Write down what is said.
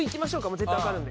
絶対わかるんで。